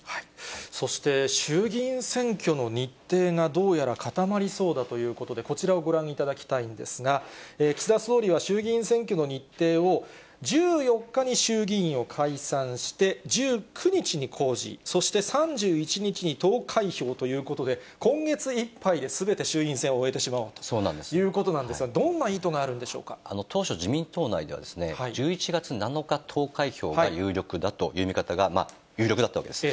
そして、衆議院選挙の日程がどうやら固まりそうだということで、こちらをご覧いただきたいんですが、岸田総理は衆議院選挙の日程を１４日に衆議院を解散して、１９日に公示、そして３１日に投開票ということで、今月いっぱいですべて衆議院選を終えてしまおう、これはどんな意当初、自民党内では、１１月７日投開票が有力だという見方が有力だったわけです。